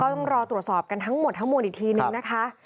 ต้องรอตรวจสอบกันทั้งหมดทั้งมวลอีกทีนึงนะคะ